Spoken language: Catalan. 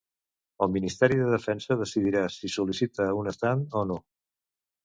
El ministeri de Defensa decidirà si sol·licita un estand o no.